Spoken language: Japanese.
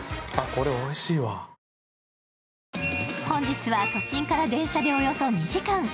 本日は、都心から電車でおよそ２時間。